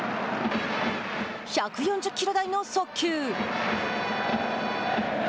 １４０キロ台の速球。